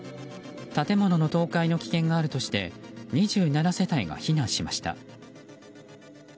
建物の倒壊の危険があるとして２７世帯が避難しました。